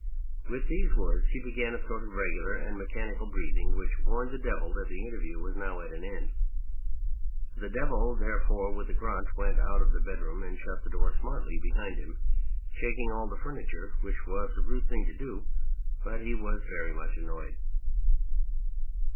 With these words he began a sort of regular and mechanical breathing which warned the Devil that the interview was now at an end. The Devil, therefore, with a grunt, went out of the bedroom and shut the door smartly behind him, shaking all the furniture ; which 196 The Honest Man and the Devil was a rude thing to do, but he was very much annoyed.